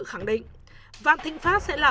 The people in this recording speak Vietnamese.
khẳng định vạn thịnh pháp sẽ là